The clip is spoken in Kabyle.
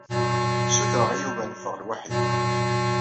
Sutreɣ i Yuba ad neffeɣ lwaḥid.